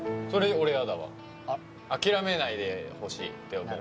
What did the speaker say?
うん諦めないでほしいって思う